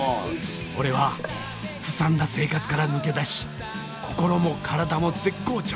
俺はすさんだ生活から抜け出し心も体も絶好調。